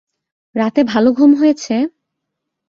রাতে ভালো ঘুম হয়েছে?